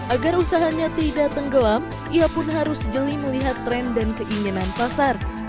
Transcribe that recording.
agar usahanya tidak tenggelam ia pun harus jeli melihat tren dan keinginan pasar